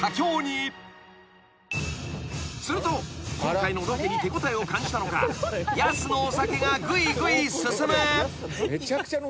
［すると今回のロケに手応えを感じたのかやすのお酒がぐいぐい進む］